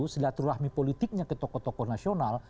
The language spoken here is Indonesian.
selatur rahmi politiknya ke tokoh tokoh nasional